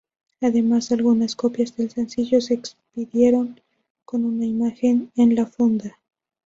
Además, algunas copias del sencillo se expidieron con una imagen en la funda.